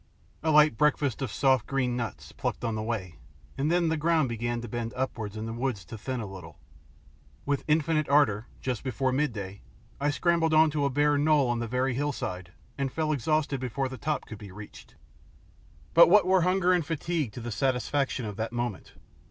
A light breakfast of soft green nuts, plucked on the way, and then the ground began to bend upwards and the woods to thin a little. With infinite ardour, just before midday, I scrambled on to a bare knoll on the very hillside, and fell exhausted before the top could be reached. But what were hunger or fatigue to the satisfaction of that moment?